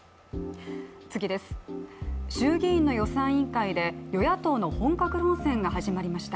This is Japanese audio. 衆議院の予算委員会で与野党の本格論戦が始まりました。